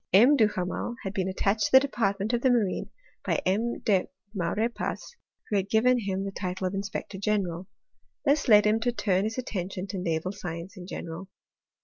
M. Duhamel had been attached to the department of the marine by M. de Maurepas, who had given him the title of inspector general. This led him to turn his attention to naval science in general.